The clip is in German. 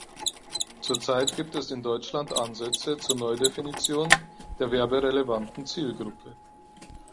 Zurzeit gibt es in Deutschland Ansätze zur Neudefinition der werberelevanten Zielgruppe.